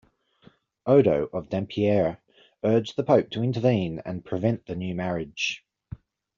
Odo of Dampierre urged the pope to intervene and prevent the new marriage.